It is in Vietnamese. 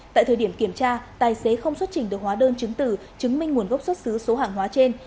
tại thời điểm kiểm tra tài xế không xuất trình được hóa đơn chứng tử chứng minh nguồn gốc xuất xứ số hàng hóa trên